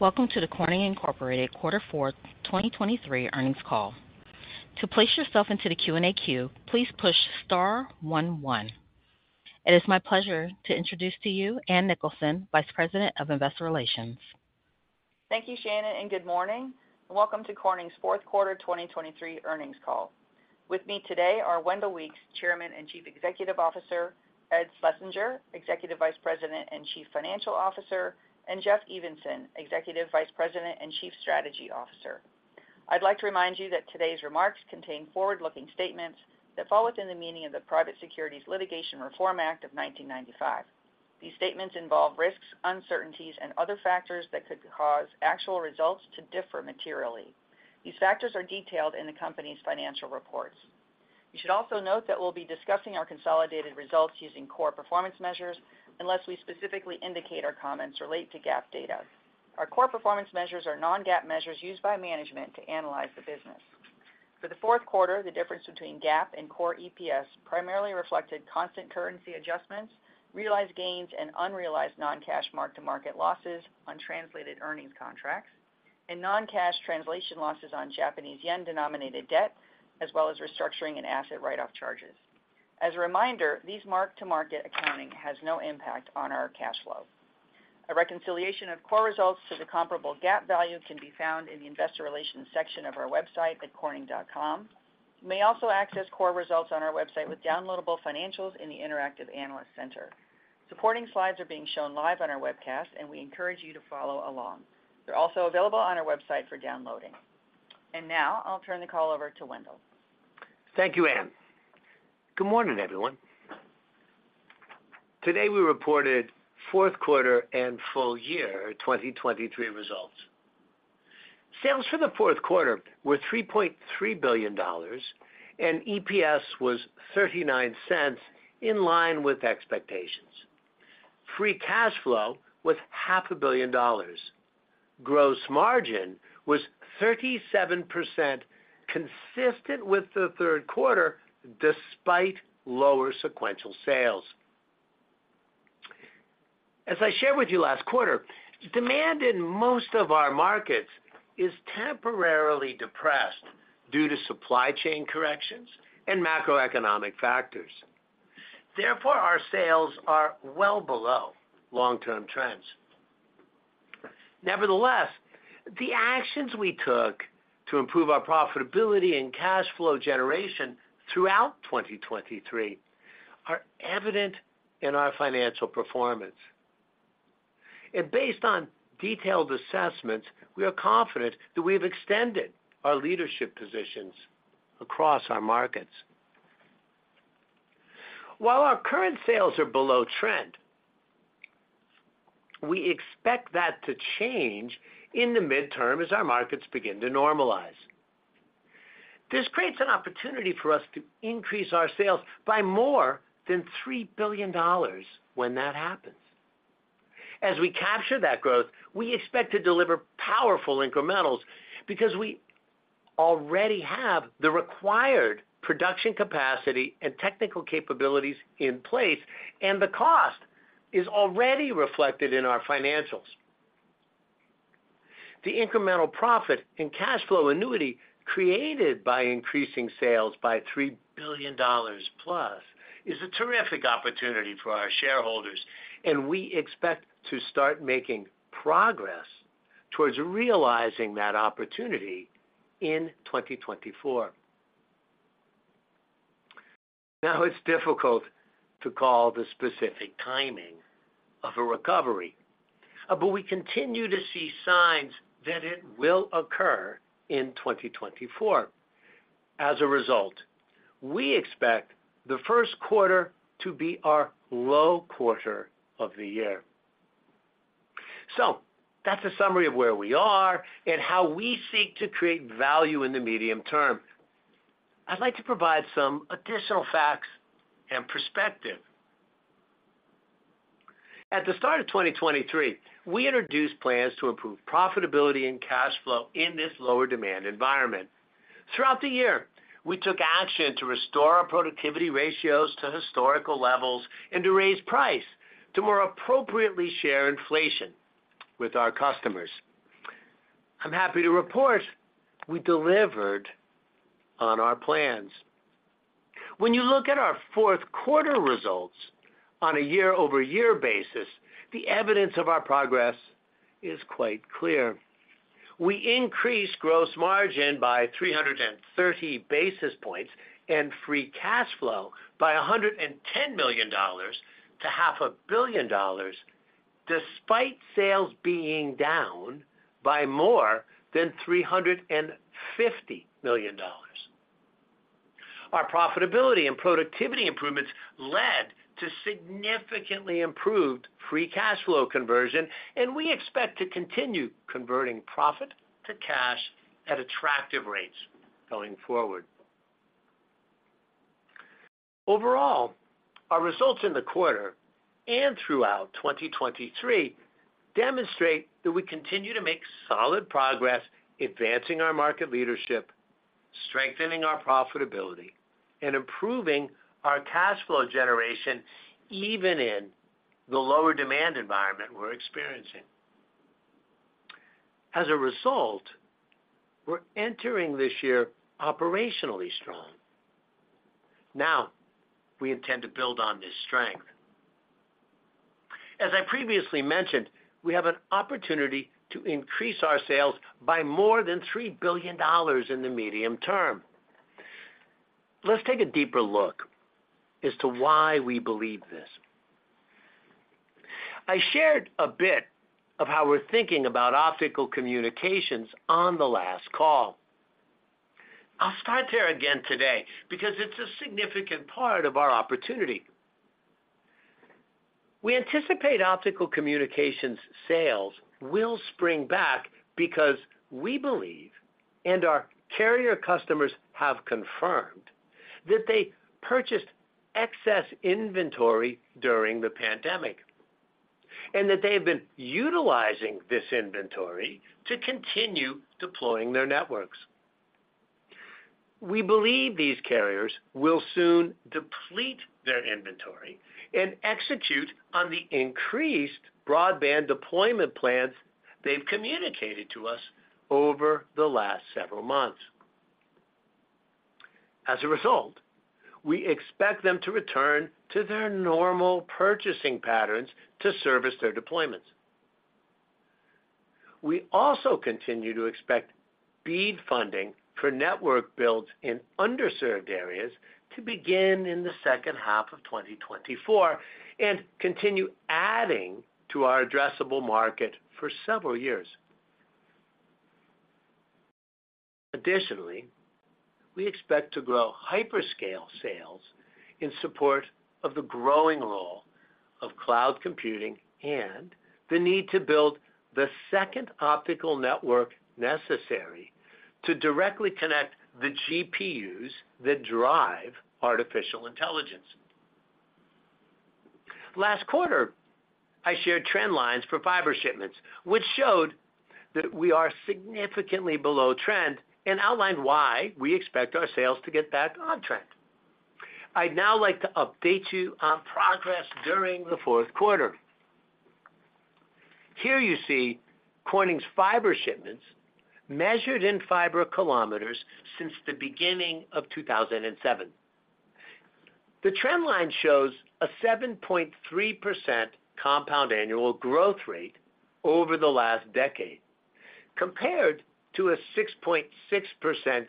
Welcome to the Corning Incorporated Fourth Quarter 2023 Earnings Call. To place yourself into the Q&A queue, please push star one, one. It is my pleasure to introduce to you Ann Nicholson, Vice President of Investor Relations. Thank you, Shannon, and good morning, and welcome to Corning's Fourth Quarter 2023 Earnings Call. With me today are Wendell Weeks, Chairman and Chief Executive Officer, Ed Schlesinger, Executive Vice President and Chief Financial Officer, and Jeff Evenson, Executive Vice President and Chief Strategy Officer. I'd like to remind you that today's remarks contain forward-looking statements that fall within the meaning of the Private Securities Litigation Reform Act of 1995. These statements involve risks, uncertainties, and other factors that could cause actual results to differ materially. These factors are detailed in the company's financial reports. You should also note that we'll be discussing our consolidated results using core performance measures, unless we specifically indicate our comments relate to GAAP data. Our core performance measures are non-GAAP measures used by management to analyze the business. For the fourth quarter, the difference between GAAP and core EPS primarily reflected constant currency adjustments, realized gains and unrealized non-cash mark-to-market losses on translated earnings contracts, and non-cash translation losses on Japanese yen-denominated debt, as well as restructuring and asset write-off charges. As a reminder, these mark-to-market accounting has no impact on our cash flow. A reconciliation of core results to the comparable GAAP value can be found in the Investor Relations section of our website at corning.com. You may also access core results on our website with downloadable financials in the Interactive Analyst Center. Supporting slides are being shown live on our webcast, and we encourage you to follow along. They're also available on our website for downloading. Now I'll turn the call over to Wendell. Thank you, Ann. Good morning, everyone. Today, we reported fourth quarter and full year 2023 results. Sales for the fourth quarter were $3.3 billion, and EPS was $0.39, in line with expectations. Free cash flow was $500 million. Gross margin was 37%, consistent with the third quarter, despite lower sequential sales. As I shared with you last quarter, demand in most of our markets is temporarily depressed due to supply chain corrections and macroeconomic factors. Therefore, our sales are well below long-term trends. Nevertheless, the actions we took to improve our profitability and cash flow generation throughout 2023 are evident in our financial performance. Based on detailed assessments, we are confident that we have extended our leadership positions across our markets. While our current sales are below trend, we expect that to change in the midterm as our markets begin to normalize. This creates an opportunity for us to increase our sales by more than $3 billion when that happens. As we capture that growth, we expect to deliver powerful incrementals because we already have the required production capacity and technical capabilities in place, and the cost is already reflected in our financials. The incremental profit and cash flow annuity created by increasing sales by $3 billion+ is a terrific opportunity for our shareholders, and we expect to start making progress towards realizing that opportunity in 2024. Now, it's difficult to call the specific timing of a recovery, but we continue to see signs that it will occur in 2024. As a result, we expect the first quarter to be our low quarter of the year. So that's a summary of where we are and how we seek to create value in the medium term. I'd like to provide some additional facts and perspective. At the start of 2023, we introduced plans to improve profitability and cash flow in this lower demand environment. Throughout the year, we took action to restore our productivity ratios to historical levels and to raise price to more appropriately share inflation with our customers. I'm happy to report we delivered on our plans. When you look at our fourth quarter results on a YoY basis, the evidence of our progress is quite clear. We increased gross margin by 330 basis points and free cash flow by $110 million to $500 million, despite sales being down by more than $350 million. Our profitability and productivity improvements led to significantly improved free cash flow conversion, and we expect to continue converting profit to cash at attractive rates going forward. Overall, our results in the quarter and throughout 2023 demonstrate that we continue to make solid progress advancing our market leadership.... strengthening our profitability, and improving our cash flow generation, even in the lower demand environment we're experiencing. As a result, we're entering this year operationally strong. Now, we intend to build on this strength. As I previously mentioned, we have an opportunity to increase our sales by more than $3 billion in the medium term. Let's take a deeper look as to why we believe this. I shared a bit of how we're thinking about Optical Communications on the last call. I'll start there again today because it's a significant part of our opportunity. We anticipate Optical Communications sales will spring back because we believe, and our carrier customers have confirmed, that they purchased excess inventory during the pandemic, and that they have been utilizing this inventory to continue deploying their networks. We believe these carriers will soon deplete their inventory and execute on the increased broadband deployment plans they've communicated to us over the last several months. As a result, we expect them to return to their normal purchasing patterns to service their deployments. We also continue to expect BEAD funding for network builds in underserved areas to begin in the second half of 2024, and continue adding to our addressable market for several years. Additionally, we expect to grow hyperscale sales in support of the growing role of cloud computing, and the need to build the second optical network necessary to directly connect the GPUs that drive artificial intelligence. Last quarter, I shared trend lines for fiber shipments, which showed that we are significantly below trend, and outlined why we expect our sales to get back on track. I'd now like to update you on progress during the fourth quarter. Here you see Corning's fiber shipments measured in fiber kilometers since the beginning of 2007. The trend line shows a 7.3% compound annual growth rate over the last decade, compared to a 6.6%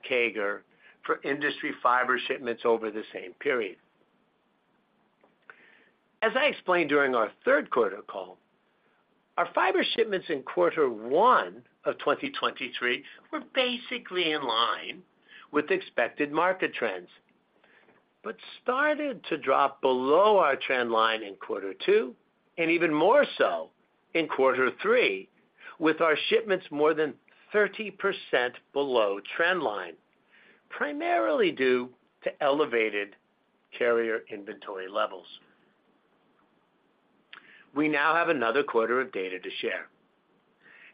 CAGR for industry fiber shipments over the same period. As I explained during our third quarter call, our fiber shipments in quarter one of 2023 were basically in line with expected market trends, but started to drop below our trend line in quarter two, and even more so in quarter three, with our shipments more than 30% below trend line, primarily due to elevated carrier inventory levels. We now have another quarter of data to share.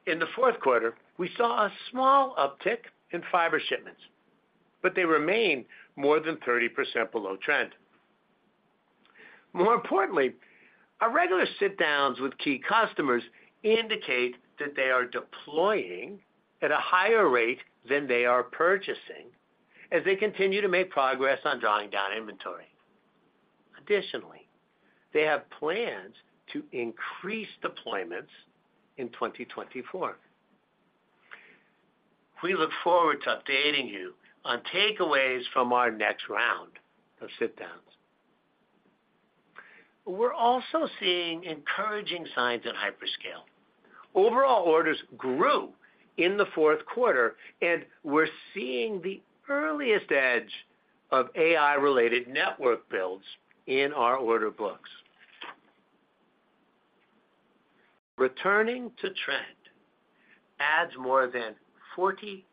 In the fourth quarter, we saw a small uptick in fiber shipments, but they remain more than 30% below trend. More importantly, our regular sit-downs with key customers indicate that they are deploying at a higher rate than they are purchasing as they continue to make progress on drawing down inventory. Additionally, they have plans to increase deployments in 2024. We look forward to updating you on takeaways from our next round of sit-downs. We're also seeing encouraging signs in hyperscale. Overall orders grew in the fourth quarter, and we're seeing the earliest edge of AI-related network builds in our order books. Returning to trend adds more than 40%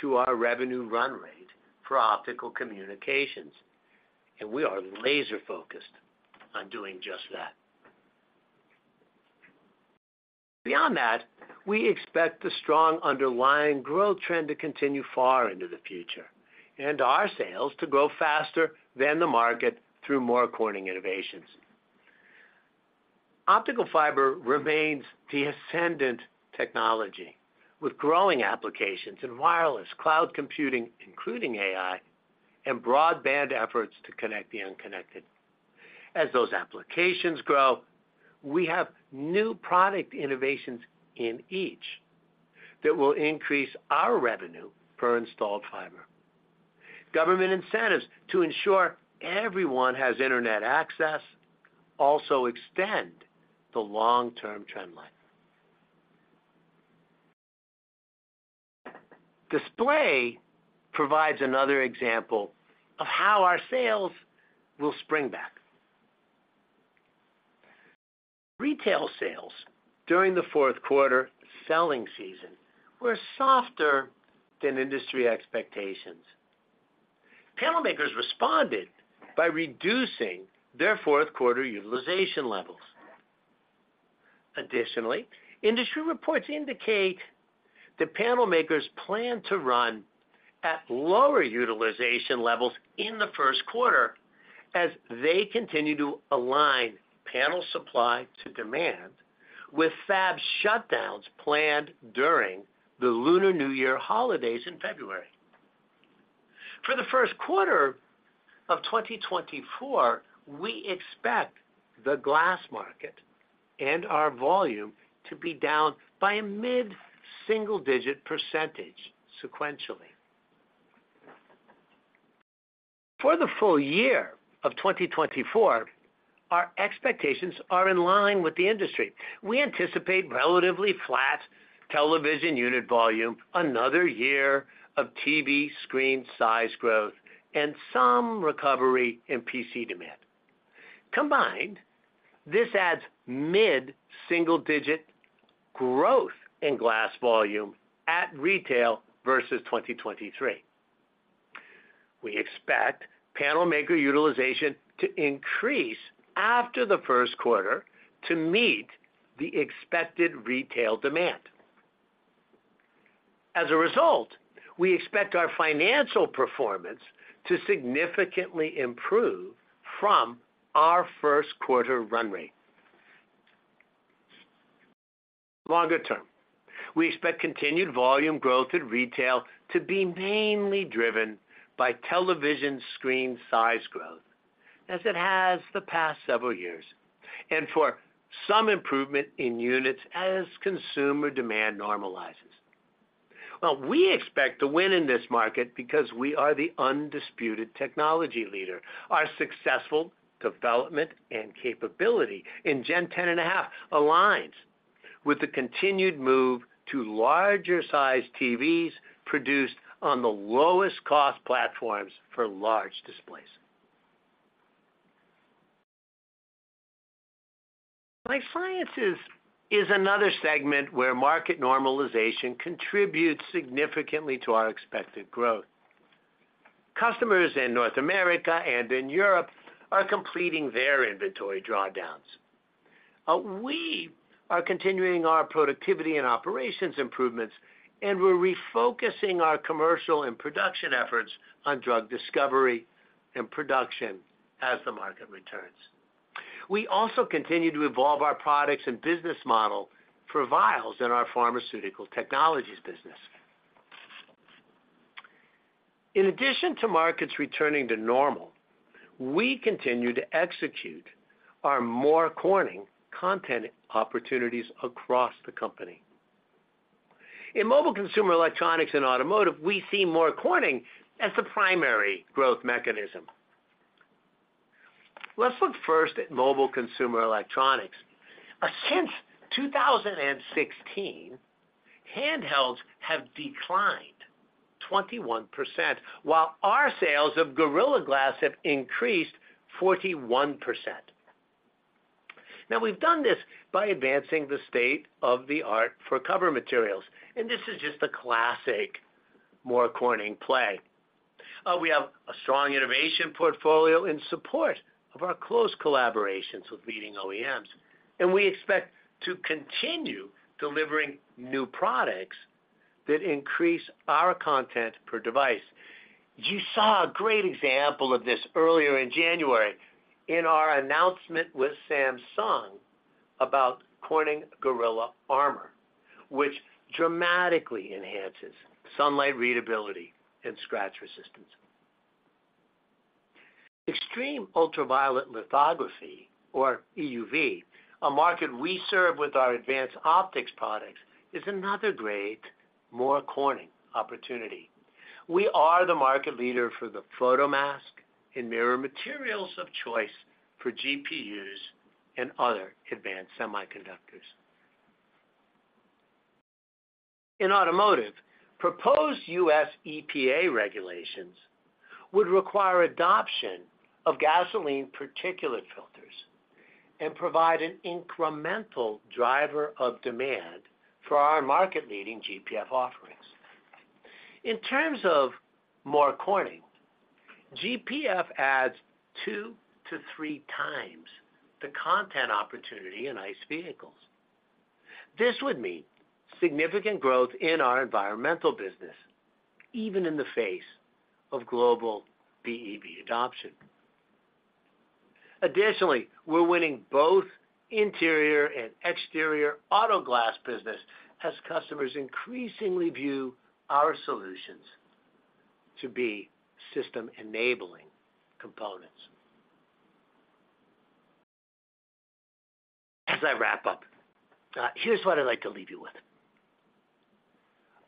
to our revenue run rate for Optical Communications, and we are laser focused on doing just that. Beyond that, we expect the strong underlying growth trend to continue far into the future, and our sales to grow faster than the market through More Corning innovations. Optical fiber remains the ascendant technology, with growing applications in wireless, cloud computing, including AI, and broadband efforts to connect the unconnected. As those applications grow, we have new product innovations in each that will increase our revenue per installed fiber. Government incentives to ensure everyone has internet access also extend the long-term trend line. Display provides another example of how our sales will spring back. Retail sales during the fourth quarter selling season were softer than industry expectations. Panel makers responded by reducing their fourth quarter utilization levels. Additionally, industry reports indicate that panel makers plan to run at lower utilization levels in the first quarter as they continue to align panel supply to demand, with fab shutdowns planned during the Lunar New Year holidays in February. For the first quarter of 2024, we expect the glass market and our volume to be down by a mid-single digit percentage sequentially. For the full year of 2024, our expectations are in line with the industry. We anticipate relatively flat television unit volume, another year of TV screen size growth, and some recovery in PC demand. Combined, this adds mid-single-digit % growth in glass volume at retail versus 2023. We expect panel maker utilization to increase after the first quarter to meet the expected retail demand. As a result, we expect our financial performance to significantly improve from our first quarter run rate. Longer term, we expect continued volume growth at retail to be mainly driven by television screen size growth, as it has the past several years, and for some improvement in units as consumer demand normalizes. Well, we expect to win in this market because we are the undisputed technology leader. Our successful development and capability in Gen 10.5 aligns with the continued move to larger-sized TVs produced on the lowest-cost platforms for large displays. Life Sciences is another segment where market normalization contributes significantly to our expected growth. Customers in North America and in Europe are completing their inventory drawdowns. We are continuing our productivity and operations improvements, and we're refocusing our commercial and production efforts on drug discovery and production as the market returns. We also continue to evolve our products and business model for vials in our pharmaceutical technologies business. In addition to markets returning to normal, we continue to execute our More Corning content opportunities across the company. In mobile consumer electronics and automotive, we see More Corning as the primary growth mechanism. Let's look first at mobile consumer electronics. Since 2016, handhelds have declined 21%, while our sales of Gorilla Glass have increased 41%. Now, we've done this by advancing the state-of-the-art for cover materials, and this is just a classic More Corning play. We have a strong innovation portfolio in support of our close collaborations with leading OEMs, and we expect to continue delivering new products that increase our content per device. You saw a great example of this earlier in January in our announcement with Samsung about Corning Gorilla Armor, which dramatically enhances sunlight readability and scratch resistance. Extreme ultraviolet lithography, or EUV, a market we serve with our advanced optics products, is another great More Corning opportunity. We are the market leader for the photomask and mirror materials of choice for GPUs and other advanced semiconductors. In automotive, proposed U.S. EPA regulations would require adoption of gasoline particulate filters and provide an incremental driver of demand for our market-leading GPF offerings. In terms of More Corning, GPF adds two to three times the content opportunity in ICE vehicles. This would mean significant growth in our environmental business, even in the face of global BEV adoption. Additionally, we're winning both interior and exterior auto glass business as customers increasingly view our solutions to be system-enabling components. As I wrap up, here's what I'd like to leave you with.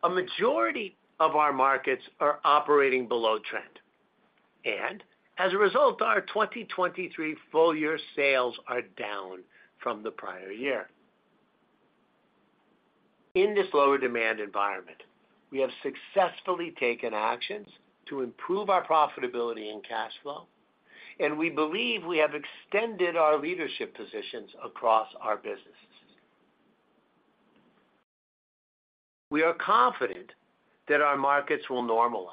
A majority of our markets are operating below trend, and as a result, our 2023 full-year sales are down from the prior year. In this lower demand environment, we have successfully taken actions to improve our profitability and cash flow, and we believe we have extended our leadership positions across our businesses.... We are confident that our markets will normalize,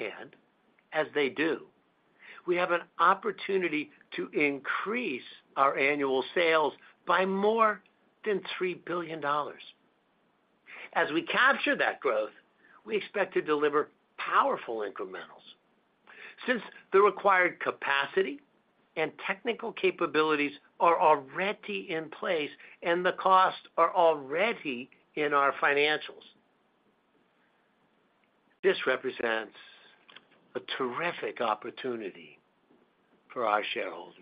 and as they do, we have an opportunity to increase our annual sales by more than $3 billion. As we capture that growth, we expect to deliver powerful incrementals, since the required capacity and technical capabilities are already in place and the costs are already in our financials. This represents a terrific opportunity for our shareholders.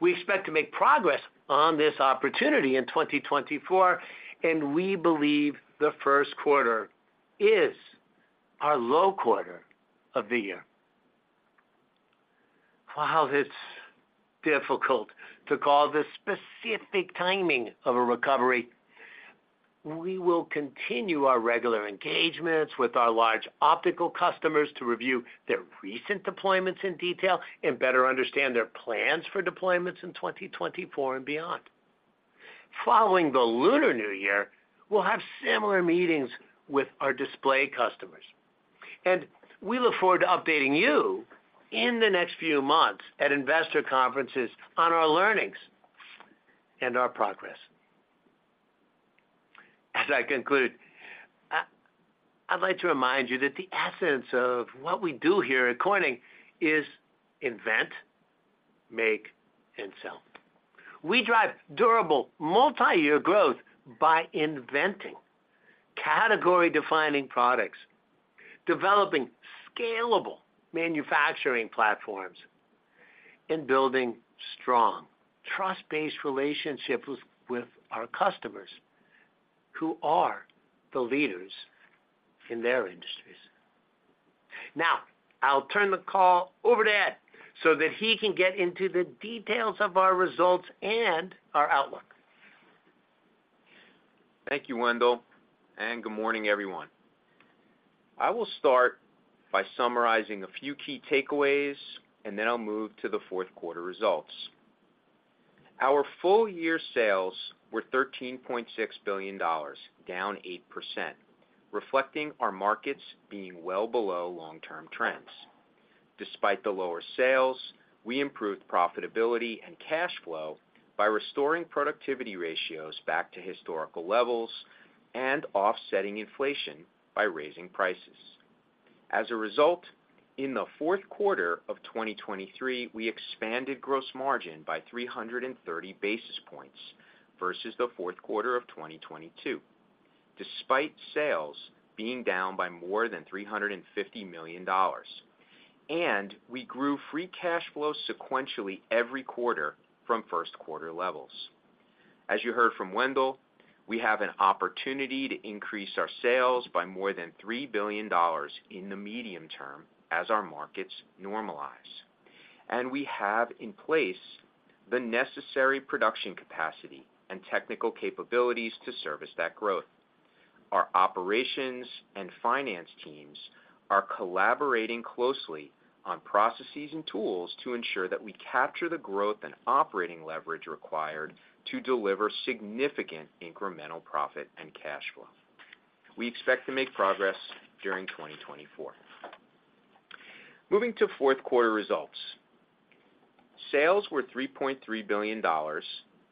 We expect to make progress on this opportunity in 2024, and we believe the first quarter is our low quarter of the year. While it's difficult to call the specific timing of a recovery, we will continue our regular engagements with our large optical customers to review their recent deployments in detail and better understand their plans for deployments in 2024 and beyond. Following the Lunar New Year, we'll have similar meetings with our display customers, and we look forward to updating you in the next few months at investor conferences on our learnings and our progress. As I conclude, I, I'd like to remind you that the essence of what we do here at Corning is invent, make, and sell. We drive durable, multi-year growth by inventing category-defining products, developing scalable manufacturing platforms, and building strong, trust-based relationships with our customers, who are the leaders in their industries. Now, I'll turn the call over to Ed, so that he can get into the details of our results and our outlook. Thank you, Wendell, and good morning, everyone. I will start by summarizing a few key takeaways, and then I'll move to the fourth quarter results. Our full year sales were $13.6 billion, down 8%, reflecting our markets being well below long-term trends. Despite the lower sales, we improved profitability and cash flow by restoring productivity ratios back to historical levels and offsetting inflation by raising prices. As a result, in the fourth quarter of 2023, we expanded gross margin by 330 basis points versus the fourth quarter of 2022, despite sales being down by more than $350 million, and we grew free cash flow sequentially every quarter from first quarter levels. As you heard from Wendell, we have an opportunity to increase our sales by more than $3 billion in the medium term as our markets normalize, and we have in place the necessary production capacity and technical capabilities to service that growth. Our operations and finance teams are collaborating closely on processes and tools to ensure that we capture the growth and operating leverage required to deliver significant incremental profit and cash flow. We expect to make progress during 2024. Moving to fourth quarter results. Sales were $3.3 billion.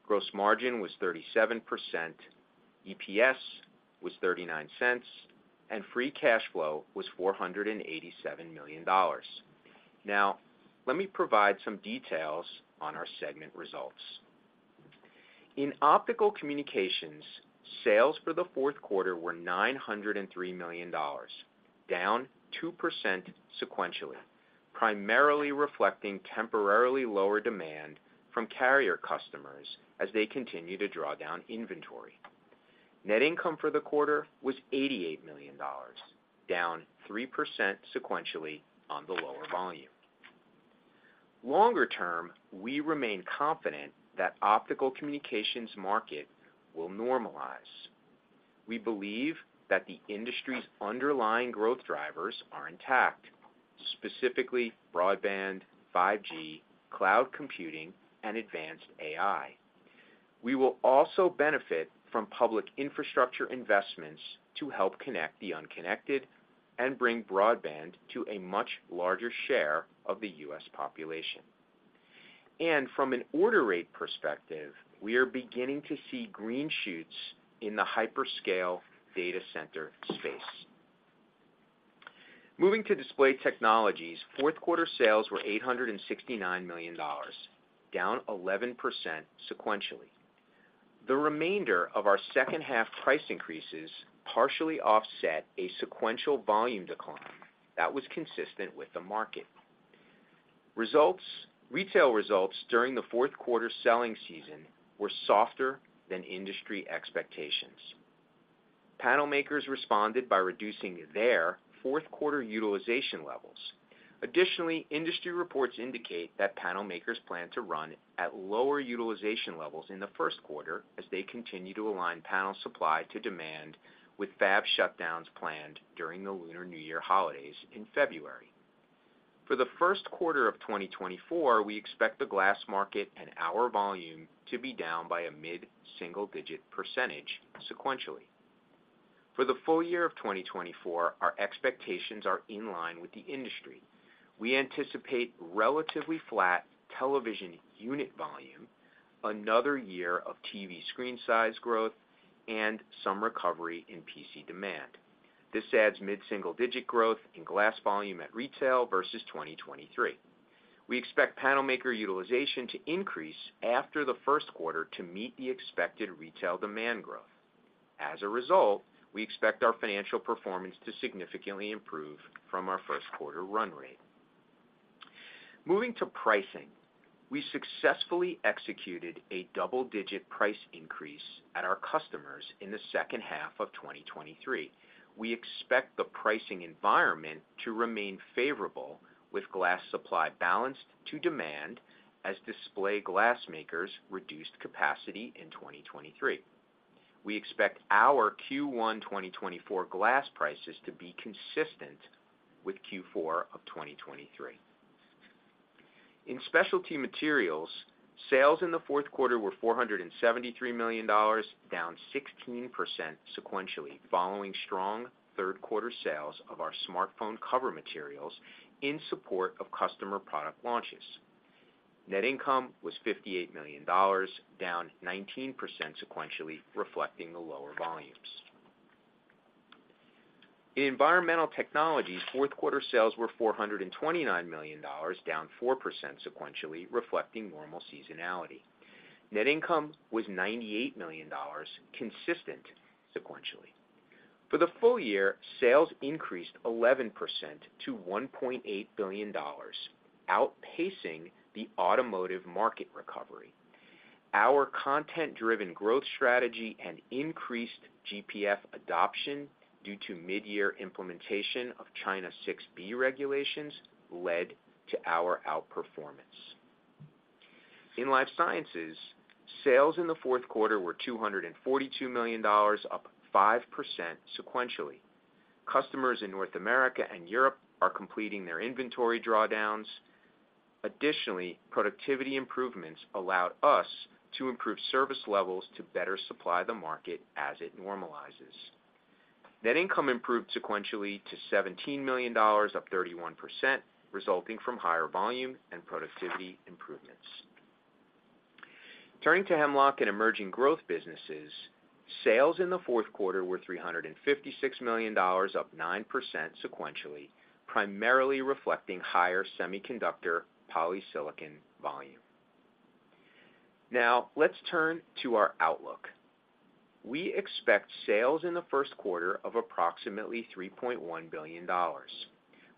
Gross margin was 37%, EPS was $0.39, and free cash flow was $487 million. Now, let me provide some details on our segment results. In Optical Communications, sales for the fourth quarter were $903 million, down 2% sequentially, primarily reflecting temporarily lower demand from carrier customers as they continue to draw down inventory. Net income for the quarter was $88 million, down 3% sequentially on the lower volume. Longer term, we remain confident that Optical Communications market will normalize. We believe that the industry's underlying growth drivers are intact, specifically broadband, 5G, cloud computing, and advanced AI. We will also benefit from public infrastructure investments to help connect the unconnected and bring broadband to a much larger share of the U.S. population. From an order rate perspective, we are beginning to see green shoots in the hyperscale data center space. Moving to Display Technologies, fourth quarter sales were $869 million, down 11% sequentially. The remainder of our second half price increases partially offset a sequential volume decline that was consistent with the market. Retail results during the fourth quarter selling season were softer than industry expectations. Panel makers responded by reducing their fourth quarter utilization levels. Additionally, industry reports indicate that panel makers plan to run at lower utilization levels in the first quarter as they continue to align panel supply to demand, with fab shutdowns planned during the Lunar New Year holidays in February. For the first quarter of 2024, we expect the glass market and our volume to be down by a mid-single digit percentage sequentially. For the full year of 2024, our expectations are in line with the industry. We anticipate relatively flat television unit volume, another year of TV screen size growth, and some recovery in PC demand. This adds mid-single digit growth in glass volume at retail versus 2023. We expect panel maker utilization to increase after the first quarter to meet the expected retail demand growth. As a result, we expect our financial performance to significantly improve from our first quarter run rate. Moving to pricing, we successfully executed a double-digit price increase at our customers in the second half of 2023. We expect the pricing environment to remain favorable, with glass supply balanced to demand as display glass makers reduced capacity in 2023. We expect our Q1 2024 glass prices to be consistent with Q4 of 2023. In Specialty Materials, sales in the fourth quarter were $473 million, down 16% sequentially, following strong third quarter sales of our smartphone cover materials in support of customer product launches. Net income was $58 million, down 19% sequentially, reflecting the lower volumes. In Environmental Technologies, fourth quarter sales were $429 million, down 4% sequentially, reflecting normal seasonality. Net income was $98 million, consistent sequentially. For the full year, sales increased 11% to $1.8 billion, outpacing the automotive market recovery. Our content-driven growth strategy and increased GPF adoption due to mid-year implementation of China 6B regulations led to our outperformance. In Life Sciences, sales in the fourth quarter were $242 million, up 5% sequentially. Customers in North America and Europe are completing their inventory drawdowns. Additionally, productivity improvements allowed us to improve service levels to better supply the market as it normalizes. Net income improved sequentially to $17 million, up 31%, resulting from higher volume and productivity improvements. Turning to Hemlock and Emerging Growth Businesses, sales in the fourth quarter were $356 million, up 9% sequentially, primarily reflecting higher semiconductor polysilicon volume. Now, let's turn to our outlook. We expect sales in the first quarter of approximately $3.1 billion.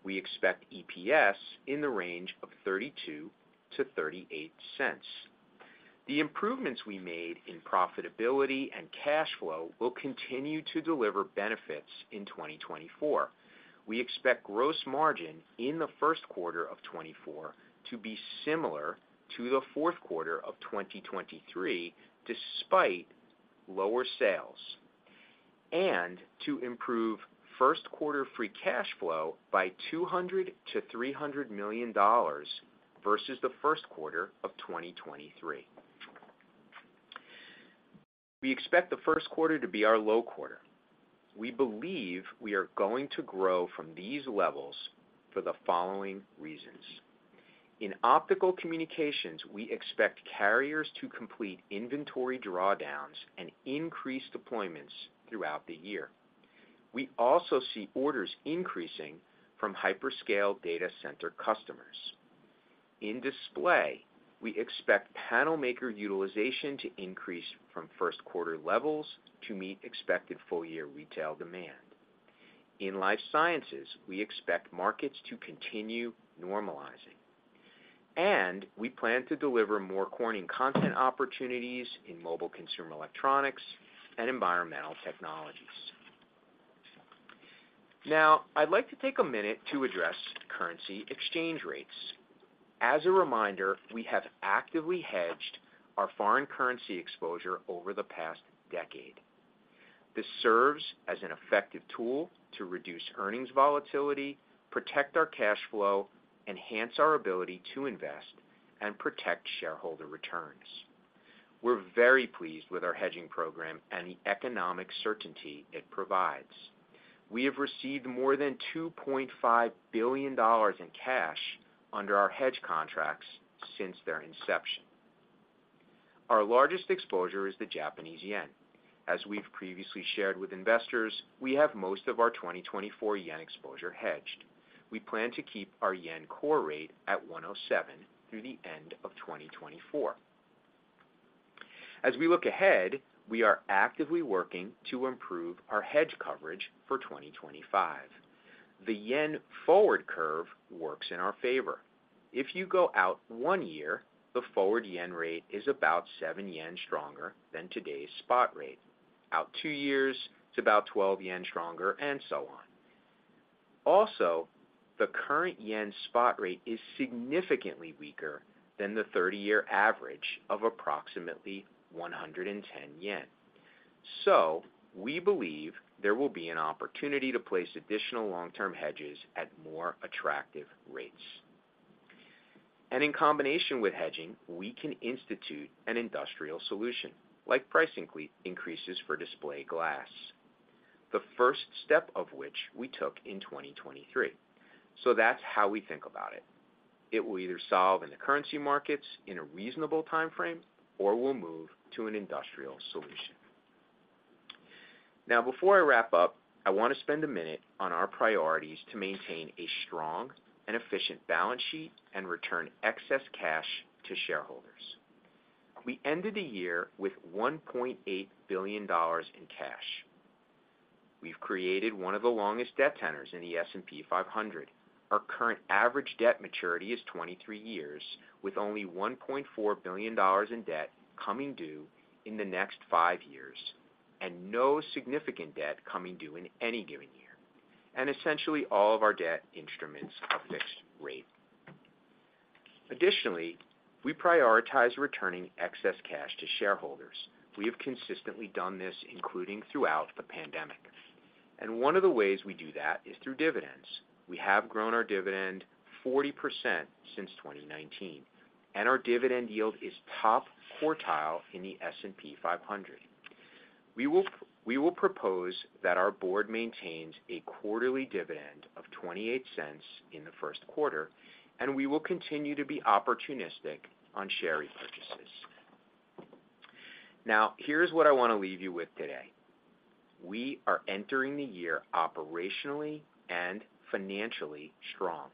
We expect EPS in the range of $0.32-$0.38. The improvements we made in profitability and cash flow will continue to deliver benefits in 2024. We expect gross margin in the first quarter of 2024 to be similar to the fourth quarter of 2023, despite lower sales, and to improve first quarter free cash flow by $200 million-$300 million versus the first quarter of 2023. We expect the first quarter to be our low quarter. We believe we are going to grow from these levels for the following reasons: In Optical Communications, we expect carriers to complete inventory drawdowns and increase deployments throughout the year. We also see orders increasing from hyperscale data center customers. In Display, we expect panel maker utilization to increase from first quarter levels to meet expected full-year retail demand. In Life Sciences, we expect markets to continue normalizing, and we plan to deliver More Corning content opportunities in mobile consumer electronics and Environmental Technologies. Now, I'd like to take a minute to address currency exchange rates. As a reminder, we have actively hedged our foreign currency exposure over the past decade. This serves as an effective tool to reduce earnings volatility, protect our cash flow, enhance our ability to invest, and protect shareholder returns. We're very pleased with our hedging program and the economic certainty it provides. We have received more than $2.5 billion in cash under our hedge contracts since their inception. Our largest exposure is the Japanese yen. As we've previously shared with investors, we have most of our 2024 yen exposure hedged. We plan to keep our yen core rate at 107 through the end of 2024. As we look ahead, we are actively working to improve our hedge coverage for 2025. The yen forward curve works in our favor. If you go out one year, the forward yen rate is about 7 yen stronger than today's spot rate. Out two years, it's about 12 yen stronger, and so on. Also, the current yen spot rate is significantly weaker than the 30-year average of approximately 110 yen. So we believe there will be an opportunity to place additional long-term hedges at more attractive rates. In combination with hedging, we can institute an industrial solution, like pricing increases for display glass, the first step of which we took in 2023. So that's how we think about it. It will either solve in the currency markets in a reasonable timeframe, or we'll move to an industrial solution. Now, before I wrap up, I want to spend a minute on our priorities to maintain a strong and efficient balance sheet and return excess cash to shareholders. We ended the year with $1.8 billion in cash. We've created one of the longest debt tenors in the S&P 500. Our current average debt maturity is 23 years, with only $1.4 billion in debt coming due in the next five years, and no significant debt coming due in any given year, and essentially all of our debt instruments are fixed rate. Additionally, we prioritize returning excess cash to shareholders. We have consistently done this, including throughout the pandemic, and one of the ways we do that is through dividends. We have grown our dividend 40% since 2019, and our dividend yield is top quartile in the S&P 500. We will, we will propose that our board maintains a quarterly dividend of $0.28 in the first quarter, and we will continue to be opportunistic on share repurchases. Now, here's what I want to leave you with today. We are entering the year operationally and financially strong.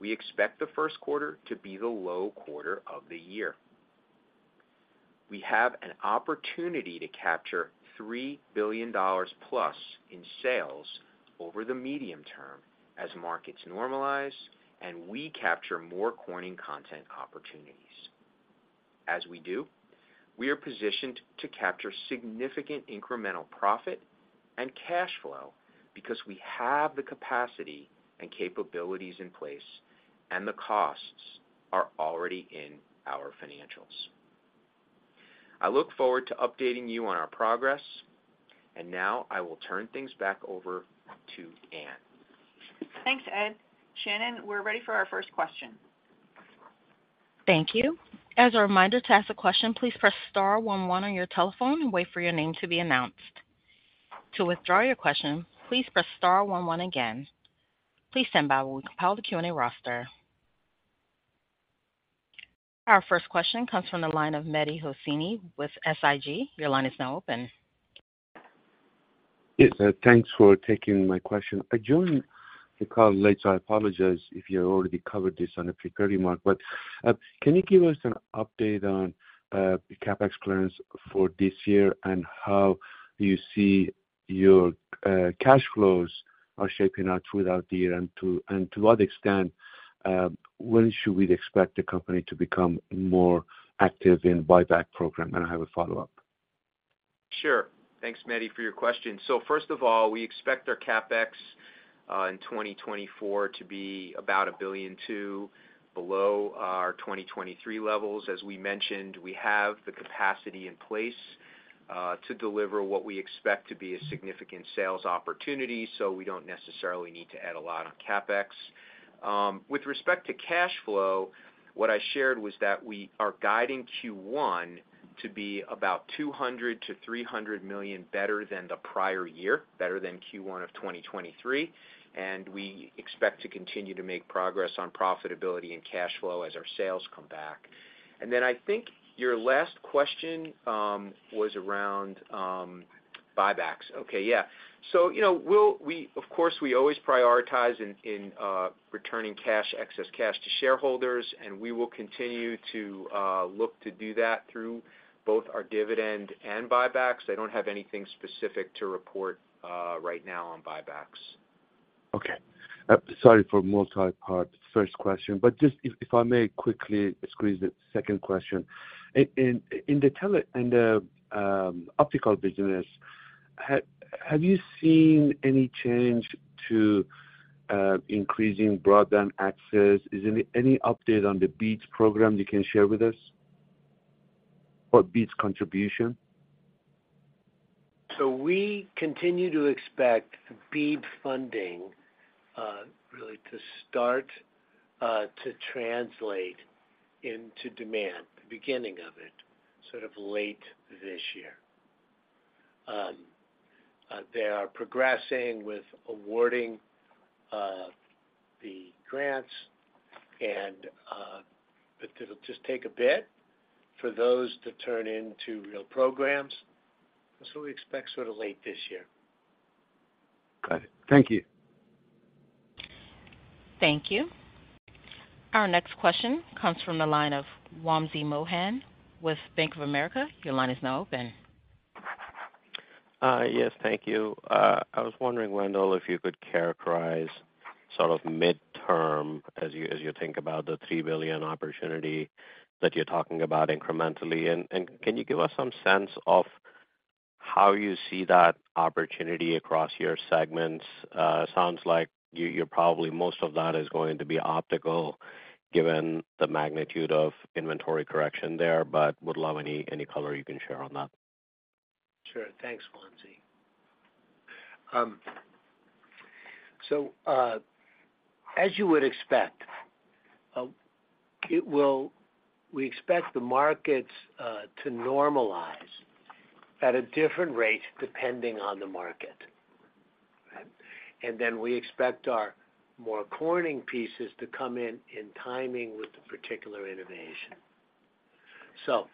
We expect the first quarter to be the low quarter of the year. We have an opportunity to capture $3 billion+ in sales over the medium term as markets normalize and we capture More Corning content opportunities. As we do, we are positioned to capture significant incremental profit and cash flow, because we have the capacity and capabilities in place, and the costs are already in our financials. I look forward to updating you on our progress, and now I will turn things back over to Ann. Thanks, Ed. Shannon, we're ready for our first question. Thank you. As a reminder, to ask a question, please press star one one on your telephone and wait for your name to be announced. To withdraw your question, please press star one one again. Please stand by while we compile the Q&A roster. Our first question comes from the line of Mehdi Hosseini with SIG. Your line is now open. Yes, thanks for taking my question. I joined the call late, so I apologize if you already covered this on the prepared remark, but, can you give us an update on, CapEx plans for this year and how you see your, cash flows are shaping out throughout the year? And to what extent, when should we expect the company to become more active in buyback program? And I have a follow-up. Sure. Thanks, Mehdi, for your question. So first of all, we expect our CapEx in 2024 to be about $1.2 billion below our 2023 levels. As we mentioned, we have the capacity in place to deliver what we expect to be a significant sales opportunity, so we don't necessarily need to add a lot on CapEx. With respect to cash flow, what I shared was that we are guiding Q1 to be about $200 million-$300 million better than the prior year, better than Q1 of 2023, and we expect to continue to make progress on profitability and cash flow as our sales come back. And then I think your last question was around buybacks. Okay. Yeah. So, you know, we'll, of course, always prioritize returning excess cash to shareholders, and we will continue to look to do that through both our dividend and buybacks. I don't have anything specific to report right now on buybacks. Okay. Sorry for multipart first question, but just if I may quickly squeeze it, second question. In the tele and optical business, have you seen any change to increasing broadband access? Is any update on the BEAD program you can share with us, or BEAD's contribution? So we continue to expect BEAD funding really to start to translate into demand, the beginning of it, sort of late this year. They are progressing with awarding the grants and, but it'll just take a bit for those to turn into real programs, so we expect sort of late this year. Got it. Thank you. Thank you. Our next question comes from the line of Wamsi Mohan with Bank of America. Your line is now open. Yes, thank you. I was wondering, Wendell, if you could characterize sort of midterm as you think about the $3 billion opportunity that you're talking about incrementally. And can you give us some sense of how you see that opportunity across your segments? Sounds like you're probably most of that is going to be optical, given the magnitude of inventory correction there, but would love any color you can share on that. Sure. Thanks, Wamsi. So, as you would expect, it will, we expect the markets to normalize at a different rate, depending on the market, right? And then we expect our More Corning pieces to come in, in timing with the particular innovation. So,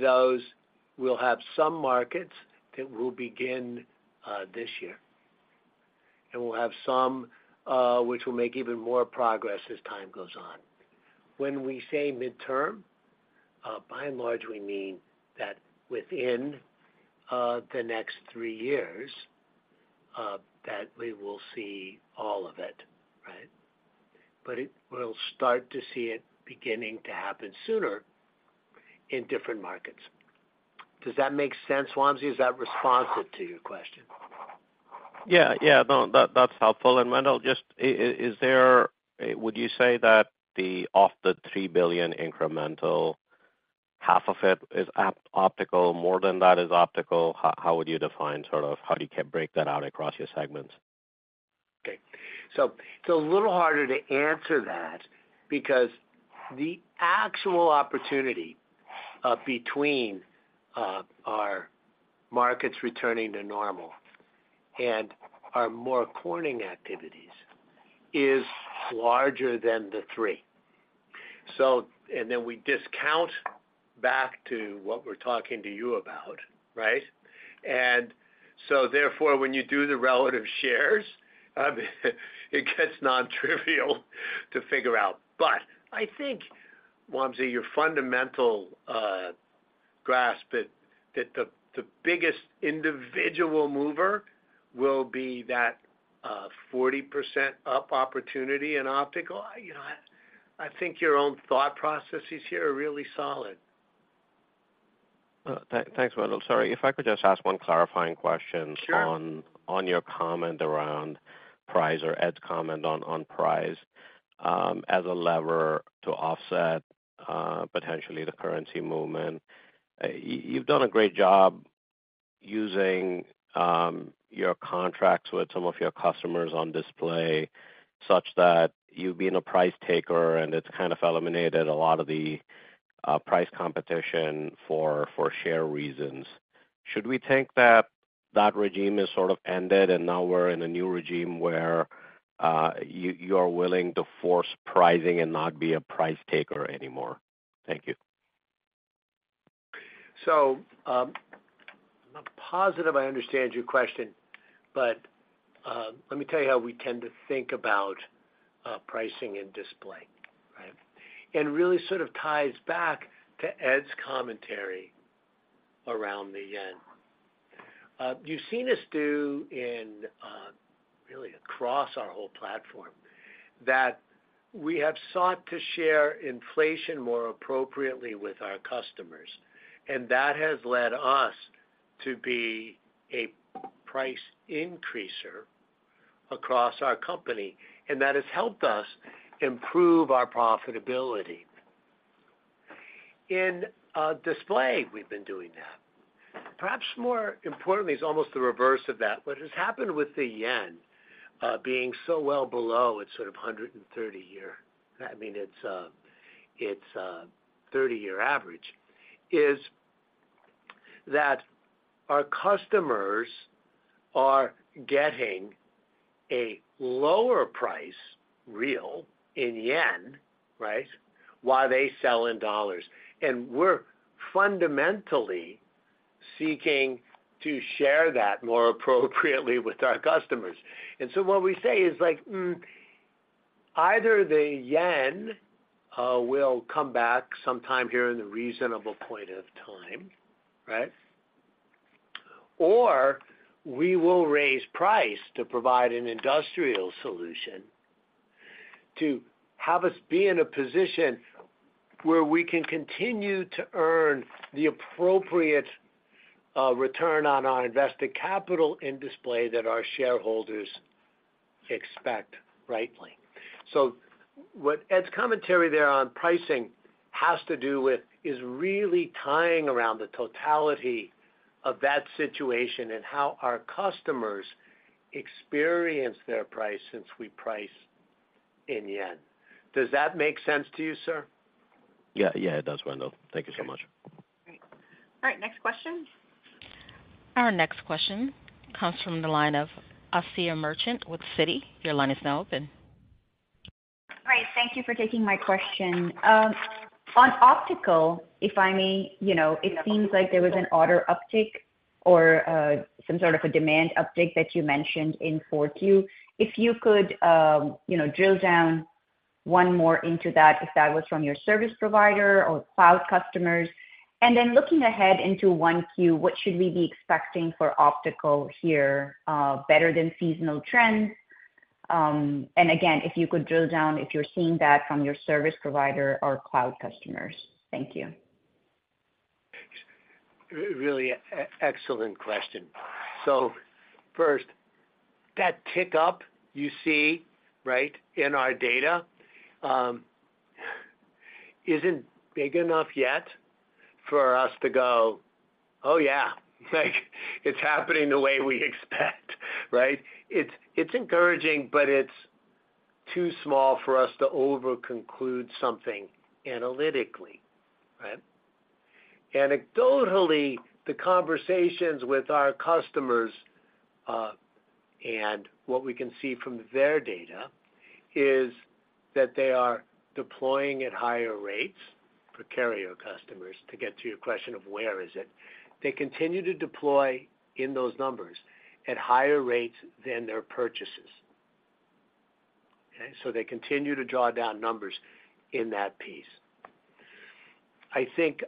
those will have some markets that will begin this year, and we'll have some, which will make even more progress as time goes on. When we say midterm, by and large, we mean that within the next three years, that we will see all of it, right? But it, we'll start to see it beginning to happen sooner in different markets. Does that make sense, Wamsi? Is that responsive to your question? Yeah, yeah, no, that's helpful. And Wendell, just, is there, would you say that the, off the $3 billion incremental, half of it is optical, more than that is optical? How would you define sort of how you can break that out across your segments? Okay. So it's a little harder to answer that because the actual opportunity, between, our markets returning to normal and our More Corning activities is larger than the three. So, and then we discount back to what we're talking to you about, right? And so therefore, when you do the relative shares, it gets nontrivial to figure out. But I think, Wamsi, your fundamental, grasp that, that the, the biggest individual mover will be that, 40% up opportunity in optical, you know, I think your own thought processes here are really solid. Thanks, Wendell. Sorry, if I could just ask one clarifying question- Sure. On your comment around price, or Ed's comment on price, as a lever to offset potentially the currency movement. You've done a great job using your contracts with some of your customers on display, such that you've been a price taker, and it's kind of eliminated a lot of the price competition for share reasons. Should we think that that regime is sort of ended, and now we're in a new regime where you are willing to force pricing and not be a price taker anymore? Thank you. So, I'm not positive I understand your question, but let me tell you how we tend to think about pricing in display, right? And really sort of ties back to Ed's commentary around the yen. You've seen us do in really across our whole platform, that we have sought to share inflation more appropriately with our customers, and that has led us to be a price increaser across our company, and that has helped us improve our profitability. In display, we've been doing that. Perhaps more importantly, is almost the reverse of that. What has happened with the yen being so well below its 30-year average is that our customers are getting a lower price, real in yen, right? While they sell in U.S. dollars, and we're fundamentally seeking to share that more appropriately with our customers. So what we say is, like, either the Japanese yen will come back sometime here in the reasonable point of time, right? Or we will raise price to provide an industrial solution to have us be in a position where we can continue to earn the appropriate return on our invested capital in display that our shareholders expect, rightly. So what Ed's commentary there on pricing has to do with is really tying around the totality of that situation and how our customers experience their price since we price in Japanese yen. Does that make sense to you, sir? Yeah, yeah, it does, Wendell. Thank you so much. Great. All right, next question. Our next question comes from the line of Asiya Merchant with Citi. Your line is now open. Hi, thank you for taking my question. On optical, if I may, you know, it seems like there was an order uptick or some sort of a demand uptick that you mentioned in 4Q. If you could, you know, drill down one more into that, if that was from your service provider or cloud customers. And then looking ahead into 1Q, what should we be expecting for optical here, better than seasonal trends? And again, if you could drill down, if you're seeing that from your service provider or cloud customers. Thank you. Really excellent question. So first, that tick up you see, right, in our data, isn't big enough yet for us to go, "Oh, yeah," like, it's happening the way we expect, right? It's, it's encouraging, but it's too small for us to over-conclude something analytically, right? Anecdotally, the conversations with our customers, and what we can see from their data is that they are deploying at higher rates for carrier customers. To get to your question of where is it, they continue to deploy in those numbers at higher rates than their purchases. Okay? So they continue to draw down numbers in that piece. I think,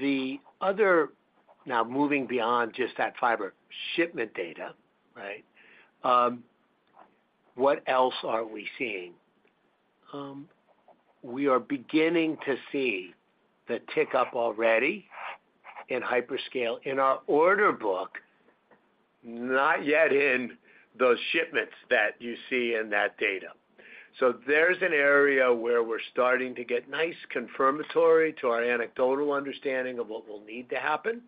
the other—now moving beyond just that fiber shipment data, right? What else are we seeing? We are beginning to see the tick-up already in hyperscale, in our order book, not yet in those shipments that you see in that data. So there's an area where we're starting to get nice confirmatory to our anecdotal understanding of what will need to happen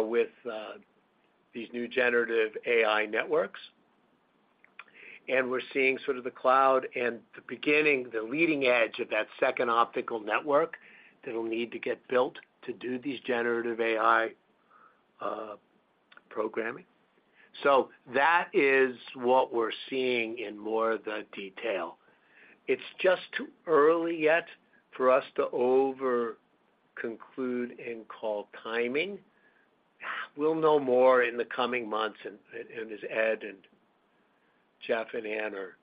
with these new generative AI networks. And we're seeing sort of the cloud and the beginning, the leading edge of that second optical network that'll need to get built to do these generative AI programming. So that is what we're seeing in more of the detail. It's just too early yet for us to over-conclude and call timing. We'll know more in the coming months, and as Ed and Jeff and Ann are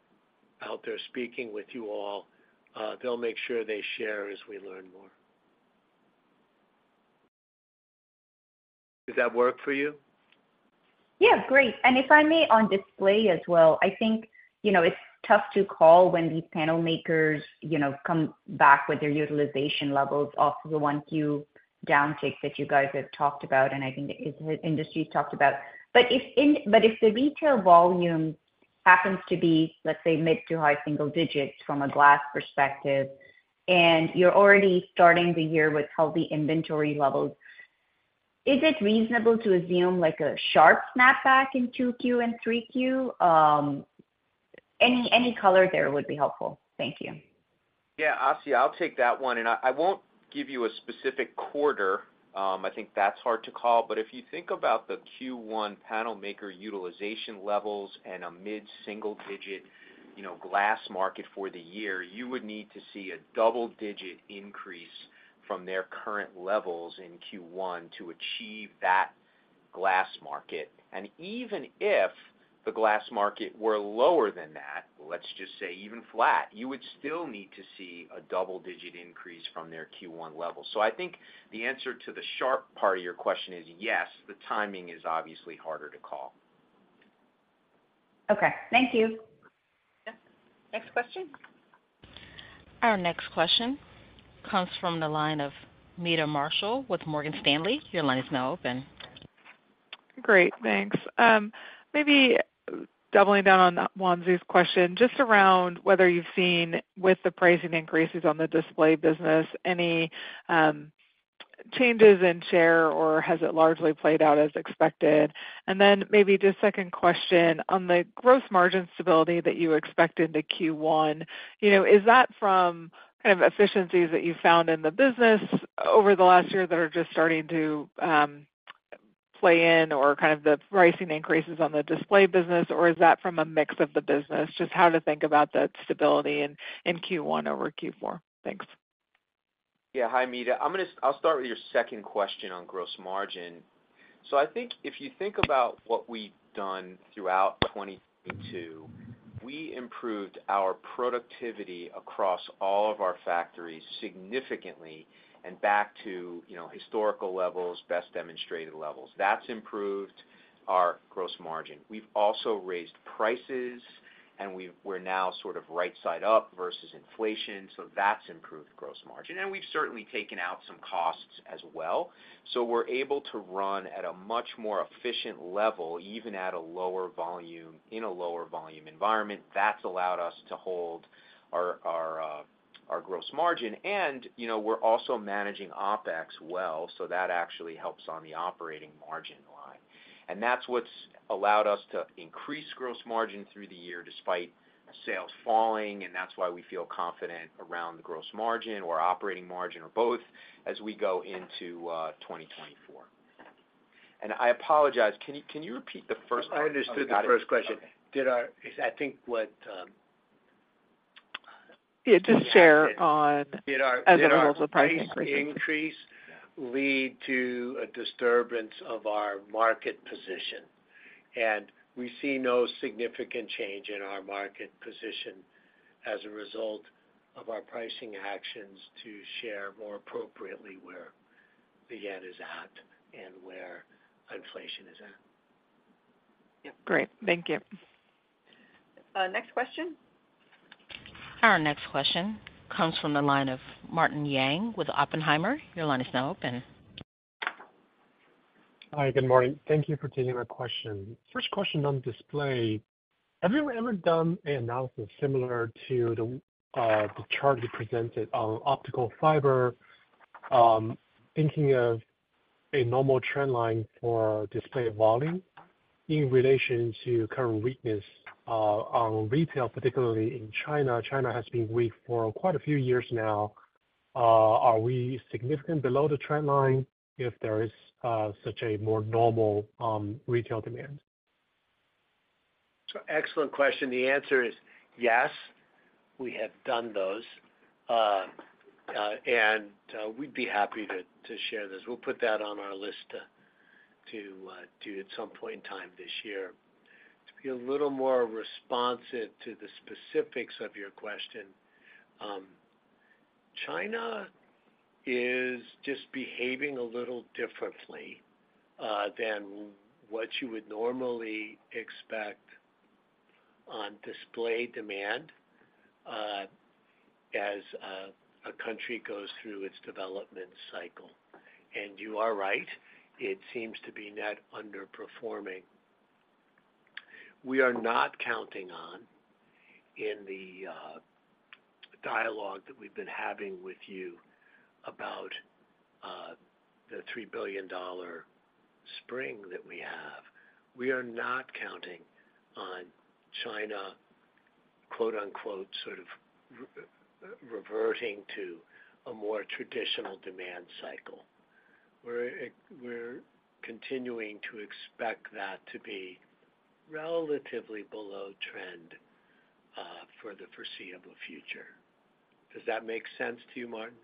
out there speaking with you all, they'll make sure they share as we learn more. Does that work for you? Yeah, great. And if I may, on display as well, I think, you know, it's tough to call when these panel makers, you know, come back with their utilization levels off the 1Q downtick that you guys have talked about, and I think the in-industry talked about. But if the retail volume happens to be, let's say, mid to high-single digits from a glass perspective, and you're already starting the year with healthy inventory levels, is it reasonable to assume, like, a sharp snapback in 2Q and 3Q? Any color there would be helpful. Thank you. Yeah, Asiya, I'll take that one, and I won't give you a specific quarter. I think that's hard to call. But if you think about the Q1 panel maker utilization levels and a mid-single digit, you know, glass market for the year, you would need to see a double-digit increase from their current levels in Q1 to achieve that glass market. And even if the glass market were lower than that, let's just say even flat, you would still need to see a double-digit increase from their Q1 level. So I think the answer to the sharp part of your question is yes, the timing is obviously harder to call. Okay. Thank you. Next question. Our next question comes from the line of Meta Marshall with Morgan Stanley. Your line is now open. Great, thanks. Maybe doubling down on Wamsi's question, just around whether you've seen, with the pricing increases on the display business, any changes in share, or has it largely played out as expected? And then maybe just second question, on the gross margin stability that you expected in Q1, you know, is that from kind of efficiencies that you found in the business over the last year that are just starting to play in, or kind of the pricing increases on the display business, or is that from a mix of the business? Just how to think about the stability in Q1 over Q4. Thanks. Yeah. Hi, Meta. I'm gonna. I'll start with your second question on gross margin. So I think if you think about what we've done throughout 2022, we improved our productivity across all of our factories significantly and back to, you know, historical levels, best demonstrated levels. That's improved our gross margin. We've also raised prices, and we've. We're now sort of right side up versus inflation, so that's improved gross margin. And we've certainly taken out some costs as well, so we're able to run at a much more efficient level, even at a lower volume, in a lower volume environment. That's allowed us to hold our, our, our gross margin. And, you know, we're also managing OpEx well, so that actually helps on the operating margin line. And that's what's allowed us to increase gross margin through the year, despite sales falling, and that's why we feel confident around the gross margin or operating margin or both as we go into 2024. And I apologize, can you, can you repeat the first part? I understood the first question. Okay. I think what Yeah, just share on- Did our- As it relates to pricing increases. Did our price increase lead to a disturbance of our market position? We see no significant change in our market position as a result of our pricing actions to share more appropriately where the end is at and where inflation is at. Great. Thank you. Next question. Our next question comes from the line of Martin Yang with Oppenheimer. Your line is now open. Hi, good morning. Thank you for taking my question. First question on display: Have you ever done an analysis similar to the chart you presented on optical fiber? Thinking of a normal trend line for display volume in relation to current weakness on retail, particularly in China. China has been weak for quite a few years now. Are we significant below the trend line if there is such a more normal retail demand? Excellent question. The answer is yes, we have done those. We'd be happy to share this. We'll put that on our list to do at some point in time this year. To be a little more responsive to the specifics of your question, China is just behaving a little differently than what you would normally expect on display demand as a country goes through its development cycle. And you are right, it seems to be net underperforming. We are not counting on, in the dialogue that we've been having with you about the $3 billion spring that we have. We are not counting on China, quote, unquote, sort of re-reverting to a more traditional demand cycle. We're continuing to expect that to be relatively below trend for the foreseeable future. Does that make sense to you, Martin?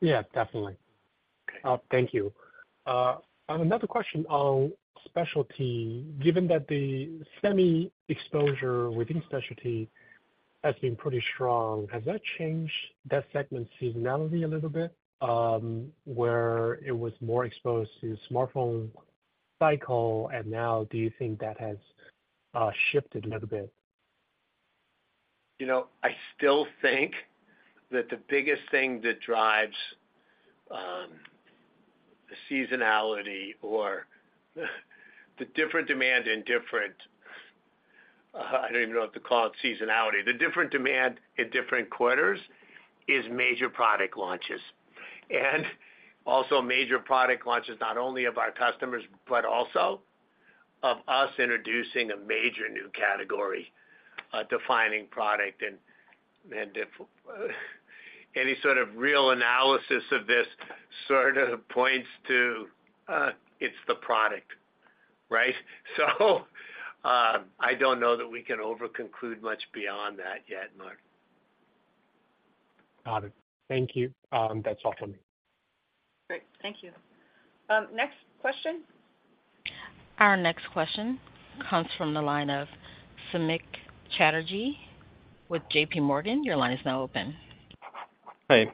Yeah, definitely. Okay. Thank you. Another question on Specialty. Given that the semi exposure within Specialty has been pretty strong, has that changed that segment's seasonality a little bit, where it was more exposed to the smartphone cycle, and now do you think that has shifted a little bit? You know, I still think that the biggest thing that drives seasonality or the different demand in different... I don't even know what to call it, seasonality. The different demand in different quarters is major product launches, and also major product launches, not only of our customers, but also of us introducing a major new category, a defining product. And any sort of real analysis of this sort of points to, it's the product, right? So, I don't know that we can over conclude much beyond that yet, Mart. Got it. Thank you. That's all for me. Great. Thank you. Next question. Our next question comes from the line of Samik Chatterjee with JPMorgan. Your line is now open. Hi,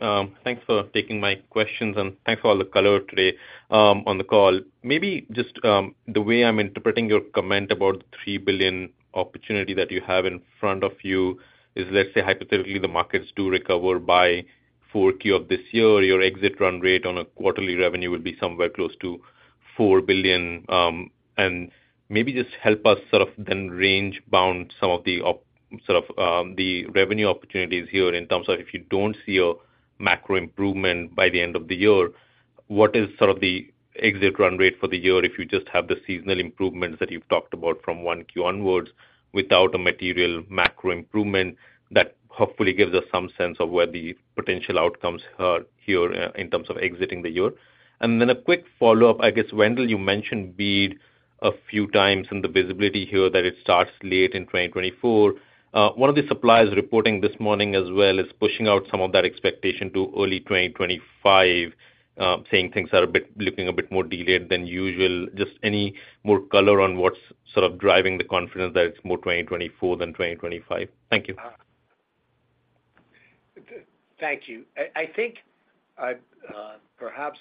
thanks for taking my questions, and thanks for all the color today, on the call. Maybe just, the way I'm interpreting your comment about the $3 billion opportunity that you have in front of you is, let's say, hypothetically, the markets do recover by 4Q of this year. Your exit run rate on a quarterly revenue would be somewhere close to $4 billion. And maybe just help us sort of then range-bound some of the revenue opportunities here in terms of if you don't see a macro improvement by the end of the year, what is sort of the exit run rate for the year if you just have the seasonal improvements that you've talked about from 1Q onwards, without a material macro improvement? That hopefully gives us some sense of where the potential outcomes are here in terms of exiting the year. And then a quick follow-up. I guess, Wendell, you mentioned BEAD a few times, and the visibility here, that it starts late in 2024. One of the suppliers reporting this morning as well is pushing out some of that expectation to early 2025, saying things are a bit looking a bit more delayed than usual. Just any more color on what's sort of driving the confidence that it's more 2024 than 2025? Thank you. Thank you. I think I perhaps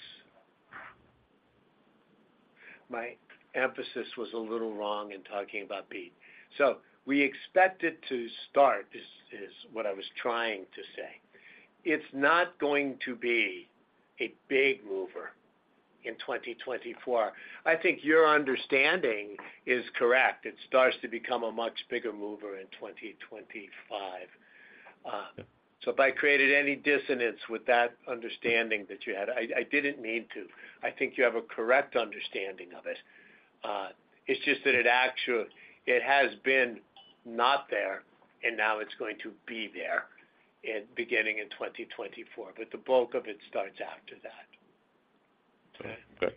my emphasis was a little wrong in talking about BEAD. So we expect it to start, is what I was trying to say. It's not going to be a big mover in 2024. I think your understanding is correct. It starts to become a much bigger mover in 2025. So if I created any dissonance with that understanding that you had, I didn't mean to. I think you have a correct understanding of it. It's just that it actually... It has been not there, and now it's going to be there beginning in 2024, but the bulk of it starts after that. Okay,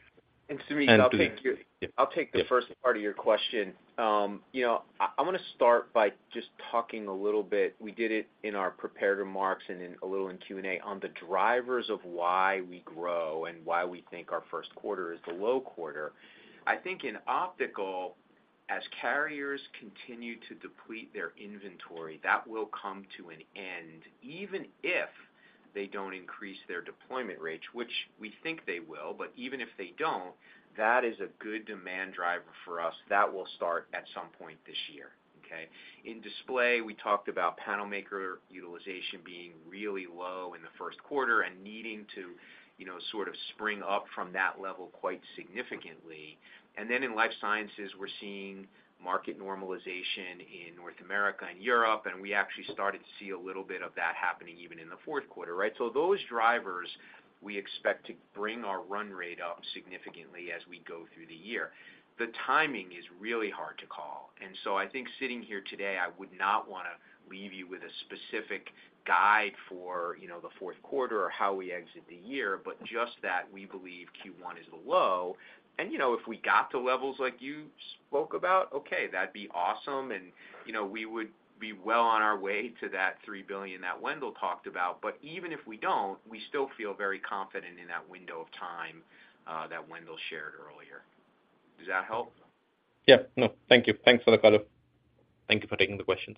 great. Samik, I'll take your- Yep. I'll take the first part of your question. You know, I wanna start by just talking a little bit. We did it in our prepared remarks and in a little in Q&A, on the drivers of why we grow and why we think our first quarter is the low quarter. I think in optical, as carriers continue to deplete their inventory, that will come to an end, even if- ... they don't increase their deployment rates, which we think they will, but even if they don't, that is a good demand driver for us. That will start at some point this year, okay? In display, we talked about panel maker utilization being really low in the first quarter and needing to, you know, sort of spring up from that level quite significantly. And then in Life Sciences, we're seeing market normalization in North America and Europe, and we actually started to see a little bit of that happening even in the fourth quarter, right? So those drivers, we expect to bring our run rate up significantly as we go through the year. The timing is really hard to call, and so I think sitting here today, I would not want to leave you with a specific guide for, you know, the fourth quarter or how we exit the year, but just that we believe Q1 is low. And, you know, if we got to levels like you spoke about, okay, that'd be awesome, and, you know, we would be well on our way to that $3 billion that Wendell talked about. But even if we don't, we still feel very confident in that window of time that Wendell shared earlier. Does that help? Yeah. No, thank you. Thanks for the color. Thank you for taking the questions.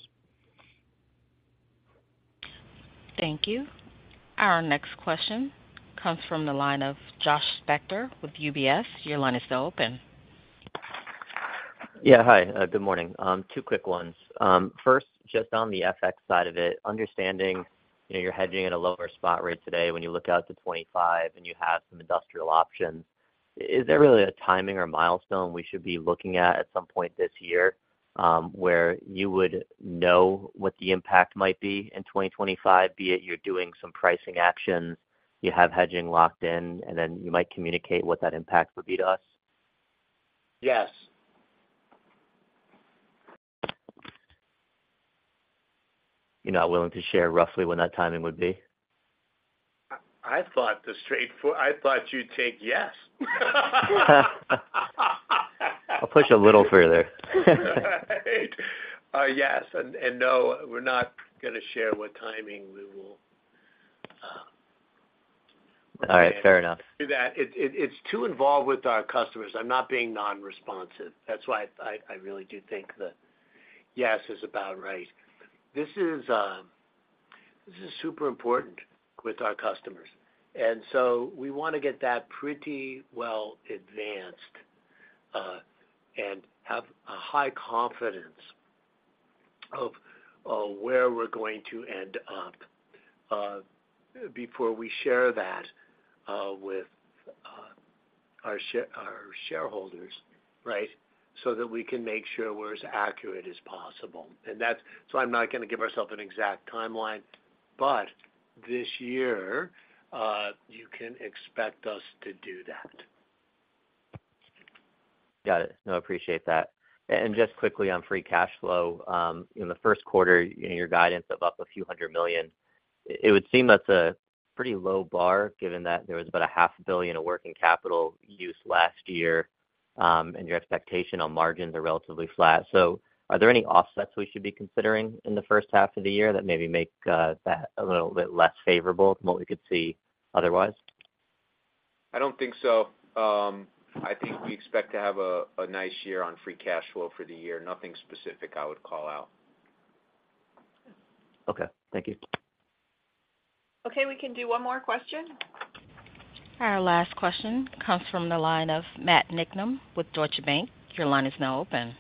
Thank you. Our next question comes from the line of Josh Spector with UBS. Your line is now open. Yeah. Hi, good morning. Two quick ones. First, just on the FX side of it, understanding, you know, you're hedging at a lower spot rate today when you look out to 2025 and you have some industrial options, is there really a timing or milestone we should be looking at, at some point this year, where you would know what the impact might be in 2025, be it you're doing some pricing action, you have hedging locked in, and then you might communicate what that impact would be to us? Yes. You're not willing to share roughly when that timing would be? I thought you'd take yes. I'll push a little further. Right. Yes, and no, we're not gonna share what timing we will, All right, fair enough. Do that. It's too involved with our customers. I'm not being non-responsive. That's why I really do think that yes is about right. This is super important with our customers, and so we wanna get that pretty well advanced and have a high confidence of where we're going to end up before we share that with our shareholders, right? So that we can make sure we're as accurate as possible. And that's so I'm not gonna give ourself an exact timeline, but this year you can expect us to do that. Got it. No, I appreciate that. And just quickly on free cash flow, in the first quarter, in your guidance of up a few hundred million, it would seem that's a pretty low bar, given that there was about $500 million of working capital use last year, and your expectation on margins are relatively flat. So are there any offsets we should be considering in the first half of the year that maybe make that a little bit less favorable from what we could see otherwise? I don't think so. I think we expect to have a nice year on free cash flow for the year. Nothing specific I would call out. Okay, thank you. Okay, we can do one more question. Our last question comes from the line of Matt Niknam with Deutsche Bank. Your line is now open.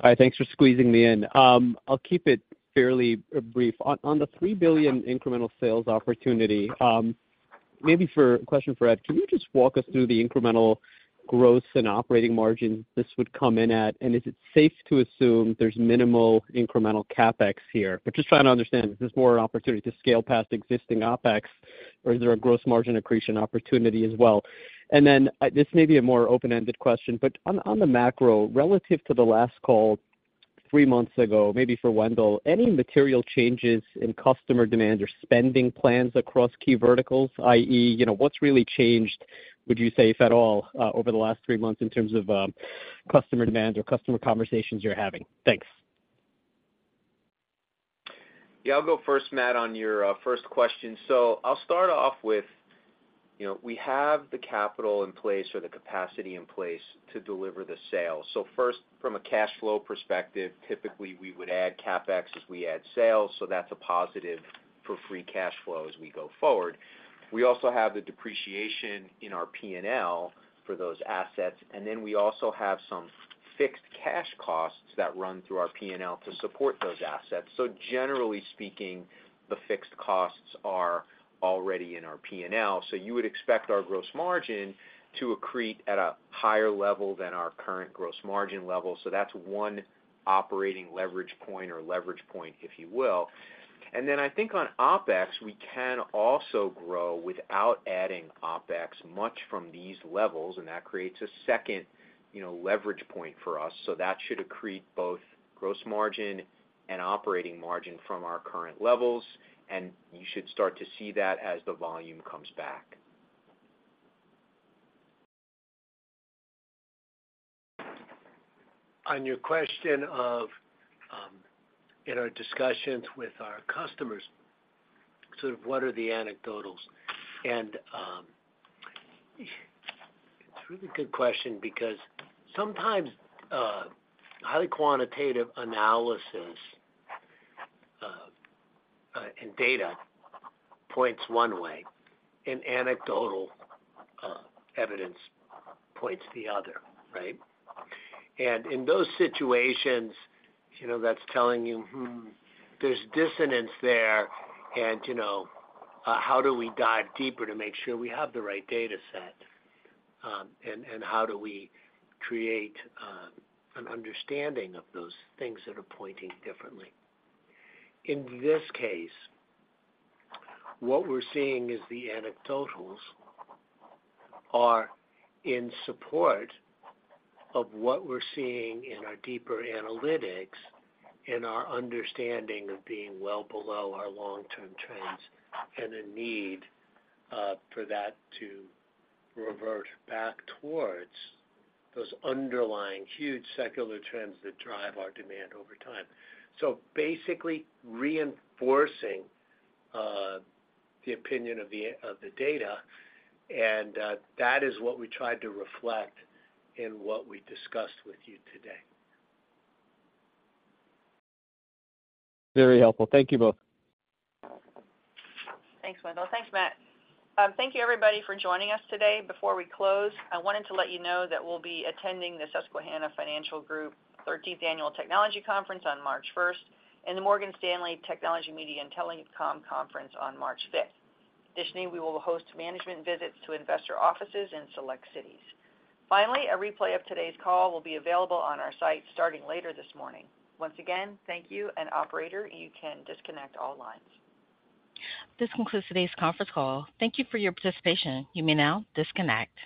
Hi, thanks for squeezing me in. I'll keep it fairly brief. On the $3 billion incremental sales opportunity, maybe for a question for Ed, can you just walk us through the incremental growth and operating margin this would come in at? And is it safe to assume there's minimal incremental CapEx here? But just trying to understand, is this more an opportunity to scale past existing OpEx, or is there a gross margin accretion opportunity as well? And then, this may be a more open-ended question, but on the macro, relative to the last call three months ago, maybe for Wendell, any material changes in customer demand or spending plans across key verticals, i.e., you know, what's really changed, would you say, if at all, over the last three months in terms of customer demand or customer conversations you're having? Thanks. Yeah, I'll go first, Matt, on your first question. So I'll start off with, you know, we have the capital in place or the capacity in place to deliver the sale. So first, from a cash flow perspective, typically, we would add CapEx as we add sales, so that's a positive for free cash flow as we go forward. We also have the depreciation in our P&L for those assets, and then we also have some fixed cash costs that run through our P&L to support those assets. So generally speaking, the fixed costs are already in our P&L, so you would expect our gross margin to accrete at a higher level than our current gross margin level. So that's one operating leverage point or leverage point, if you will. Then I think on OpEx, we can also grow without adding OpEx much from these levels, and that creates a second, you know, leverage point for us. That should accrete both gross margin and operating margin from our current levels, and you should start to see that as the volume comes back. On your question of, in our discussions with our customers, sort of what are the anecdotes? It's a really good question because sometimes, highly quantitative analysis, and data points one way, and anecdotal evidence points the other, right? And in those situations, you know, that's telling you, hmm, there's dissonance there and, you know, how do we dive deeper to make sure we have the right data set? And, and how do we create, an understanding of those things that are pointing differently? In this case, what we're seeing is the anecdotes are in support of what we're seeing in our deeper analytics and our understanding of being well below our long-term trends, and a need, for that to revert back towards those underlying huge secular trends that drive our demand over time. Basically reinforcing the opinion of the data, and that is what we tried to reflect in what we discussed with you today. Very helpful. Thank you both. Thanks, Wendell. Thanks, Matt. Thank you, everybody, for joining us today. Before we close, I wanted to let you know that we'll be attending the Susquehanna Financial Group Thirteenth Annual Technology Conference on March 1st, and the Morgan Stanley Technology, Media, and Telecom Conference on March 5th. Additionally, we will host management visits to investor offices in select cities. Finally, a replay of today's call will be available on our site starting later this morning. Once again, thank you, and operator, you can disconnect all lines. This concludes today's conference call. Thank you for your participation. You may now disconnect.